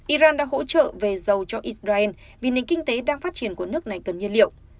iran đã hỗ trợ về dầu cho israel vì nền kinh tế đang phát triển của nước này cần nhiên liệu